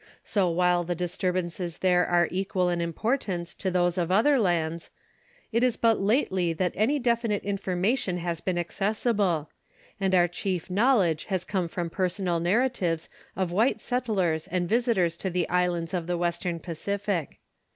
So while the disturbances there are equal in importance to those of other lands, it is but lately that any definite information has been accessible; and our chief knowledge has come from personal narratives of white settlers and visitors to the islands of the western Pacific.